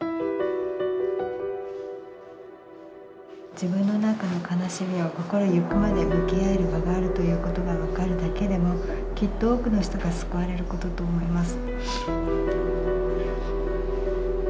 「自分の中の悲しみと心ゆくまで向き合える場があるということが分かるだけでもきっと多くの人が救われることと思います」。